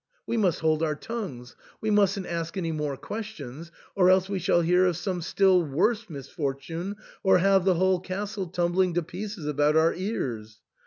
we must hold our tongues ; we mustn't ask any more questions, or else we shall hear of some still worse mis fortune, or have the whole castle tumbling to pieces about our ears."